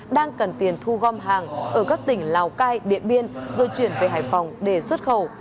đang cần tiền thu gom hàng ở các tỉnh lào cai điện biên rồi chuyển về hải phòng để xuất khẩu